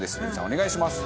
お願いします。